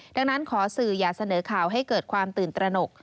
ดังนั้นขอสื่ออย่าเสนอข่าวให้เกิดความตื่นตระหนก